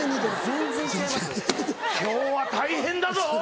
今日は大変だぞ！